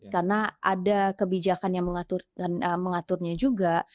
karena ada kebijakan yang mengaturnya juga